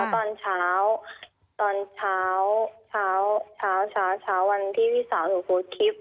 แล้วตอนเช้าวันที่พี่สาวหนูพูดคลิป